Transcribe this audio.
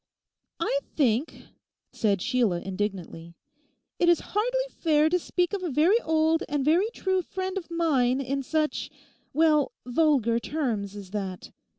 'I think,' said Sheila indignantly, 'it is hardly fair to speak of a very old and a very true friend of mine in such—well, vulgar terms as that.